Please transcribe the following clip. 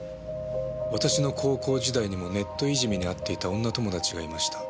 「私の高校時代にもネットいじめにあっていた女友達がいました」